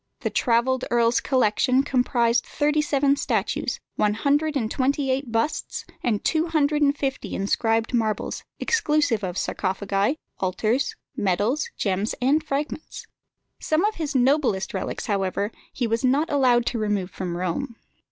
The travelled earl's collection comprised thirty seven statues, one hundred and twenty eight busts, and two hundred and fifty inscribed marbles, exclusive of sarcophagi, altars, medals, gems, and fragments. Some of his noblest relics, however, he was not allowed to remove from Rome.